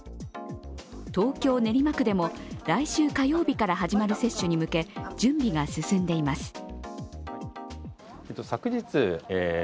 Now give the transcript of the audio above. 東京・練馬区でも来週火曜日から始まる接種に向け準備が進んでいます。